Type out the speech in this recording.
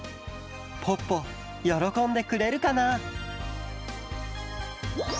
ポッポよろこんでくれるかな？